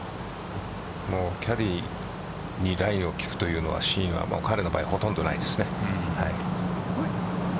キャディーにライを聞くというのはシーンは彼はほとんどの場合ないですね。